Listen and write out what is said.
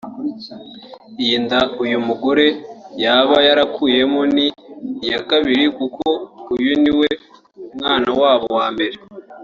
Iyo nda uyu mugore yaba yarakuyemo ni iya kabiri kuko uyu ni we mwana wabo wa mbere